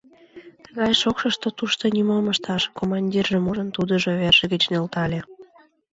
— Тыгай шокшышто тушто нимом ышташ, — командиржым ужын, тудыжо верже гыч нӧлталте.